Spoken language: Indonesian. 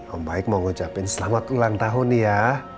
om baik mau ngucapin selamat ulang tahun nih ya